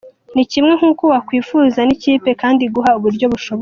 Ni kimwe n'uko wakwifuzwa n’indi kipe kandi iguha uburyo bushoboka.